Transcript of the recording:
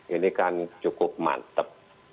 ini kan cukup mantap